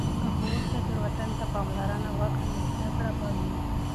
که ښوونکې تیروتنې ته پاملرنه وکړي، نو زده کړه به وي.